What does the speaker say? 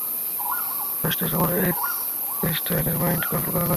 ফ্যাসটস, আমার এক সেলেস্টিয়ালের mind control করা লাগবে।